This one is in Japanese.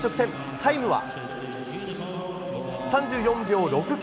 タイムは３４秒６９。